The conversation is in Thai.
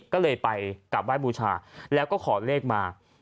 ก็เลยไปกลับไหว้บูชาแล้วก็ขอเลขมา